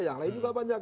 yang lain juga banyak